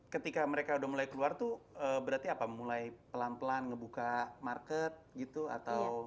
ketika mereka udah mulai keluar tuh berarti apa mulai pelan pelan ngebuka market gitu atau